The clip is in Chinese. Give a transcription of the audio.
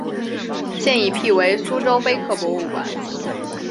现已辟为苏州碑刻博物馆。